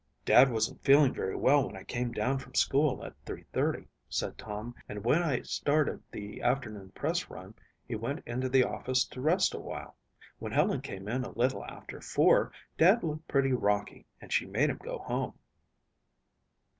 "Dad wasn't feeling very well when I came down from school at three thirty," said Tom, "and when I started the afternoon press run, he went into the office to rest a while. When Helen came in a little after four, Dad looked pretty rocky and she made him go home."